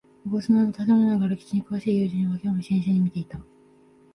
無骨な建物だが歴史に詳しい友人は興味津々に見ていた